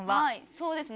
そうですね